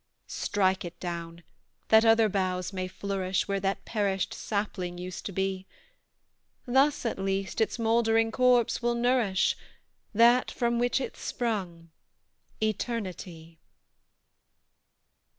Strike it down, that other boughs may flourish Where that perished sapling used to be; Thus, at least, its mouldering corpse will nourish That from which it sprung Eternity.